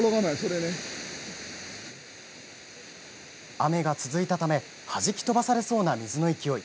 雨が続いたためはじき飛ばされそうな水の勢い。